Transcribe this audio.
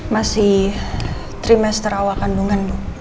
masih trimester awal kandungan bu